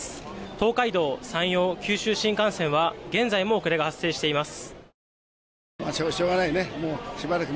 東海道・山陽・九州新幹線は現在も遅れが発生しています。